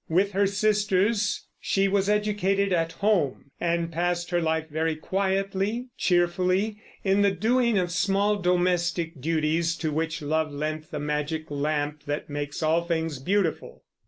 With her sisters she was educated at home, and passed her life very quietly, cheerfully, in the doing of small domestic duties, to which love lent the magic lamp that makes all things beautiful.